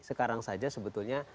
sekarang saja sebetulnya